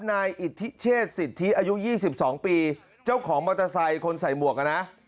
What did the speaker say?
นายอิทธิเชษสิทธิอายุ๒๒ปีเจ้าของมอเตอร์ไซค์คนใส่หมวกนะ